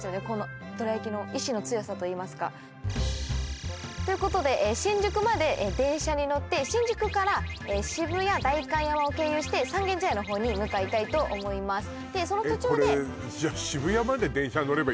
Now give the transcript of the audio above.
このどら焼きの意志の強さといいますかということで新宿まで電車に乗って新宿から渋谷代官山を経由して三軒茶屋の方に向かいたいと思いますでその途中でえ